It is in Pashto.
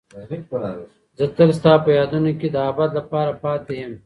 زه تل ستا په یادونو کې د ابد لپاره پاتې یم.